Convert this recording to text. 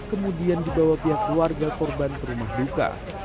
kemudian dibawa pihak keluarga korban ke rumah duka